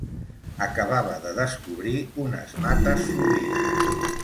Acabava de descobrir unes mates florides